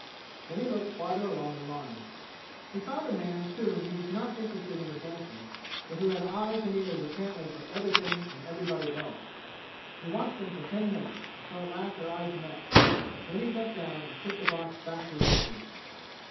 Then he looked farther along the line. He found a man soon who was not interested in the dancing, but who had eyes and ears apparently for everything and everybody else. He watched him for ten minutes, until at last their eyes met. Then he sat down and kicked the box back to its owners.